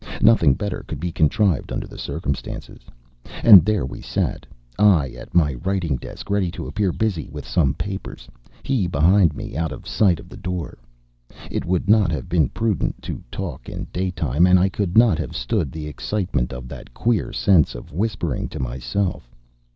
Nothing better could be contrived under the circumstances. And there we sat; I at my writing desk ready to appear busy with some papers, he behind me out of sight of the door. It would not have been prudent to talk in daytime; and I could not have stood the excitement of that queer sense of whispering to myself.